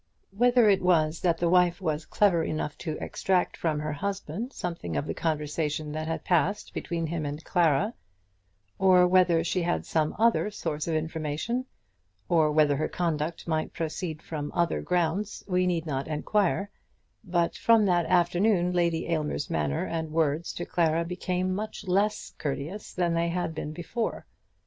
Whether it was that the wife was clever enough to extract from her husband something of the conversation that had passed between him and Clara, or whether she had some other source of information, or whether her conduct might proceed from other grounds, we need not inquire; but from that afternoon Lady Aylmer's manner and words to Clara became much less courteous than they had been before.